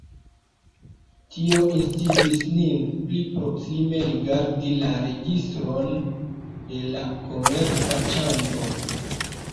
Tio instigis nin pli proksime rigardi la registron de la Komerca ĉambro.